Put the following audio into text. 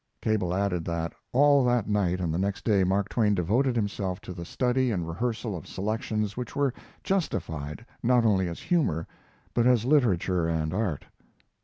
Cable added that all that night and the next day Mark Twain devoted himself to the study and rehearsal of selections which were justified not only as humor, but as literature and art.